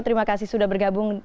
terima kasih sudah bergabung